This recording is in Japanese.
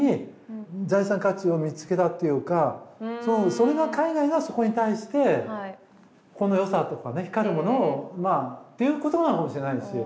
それが海外がそこに対してこの良さとかね光るものをっていうことなのかもしれないですし。